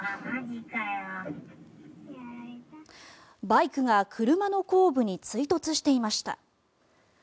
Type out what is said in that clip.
バイクが車の後部に追突していました。